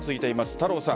太郎さん